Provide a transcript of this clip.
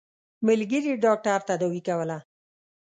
ملګري ډاکټر تداوي کوله.